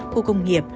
khu công nghiệp